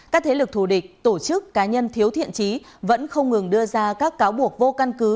các thế lực thù địch tổ chức cá nhân thiếu thiện trí vẫn không ngừng đưa ra các cáo buộc vô căn cứ